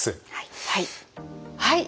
はい。